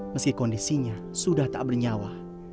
meski kondisinya sudah tak bernyawa